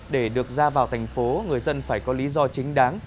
để được ra vào thành phố người dân phải có lý do chính đáng